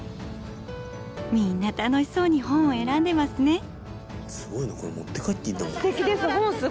みんな楽しそうに本を選んでますね。